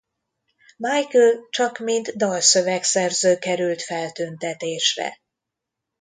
Michael csak mint dalszövegszerző került feltüntetésre.